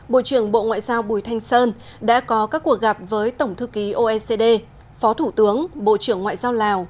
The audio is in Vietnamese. bộ trưởng bộ ngoại giao bùi thanh sơn đã có các cuộc gặp với tổng thư ký oecd phó thủ tướng bộ trưởng ngoại giao lào